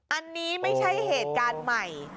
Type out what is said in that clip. อันนี้ไม่ใช่เหตุการณ์ใหม่